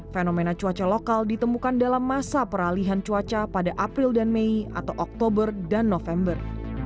fenomena cuaca lokal ditemukan dalam masa peralihan cuaca pada april dan mei atau oktober dan november